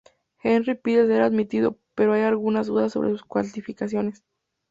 Henry pide ser admitido pero hay algunas dudas sobre sus cualificaciones.